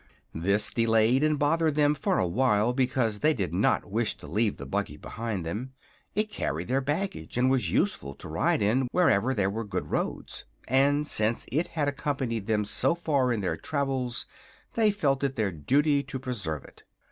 This delayed and bothered them for a while, because they did not wish to leave the buggy behind them. It carried their baggage and was useful to ride in wherever there were good roads, and since it had accompanied them so far in their travels they felt it their duty to preserve it.